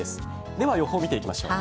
では予報を見ていきましょう。